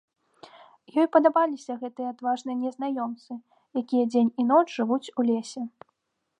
Ёй падабаліся гэтыя адважныя незнаёмцы, якія дзень і ноч жывуць у лесе.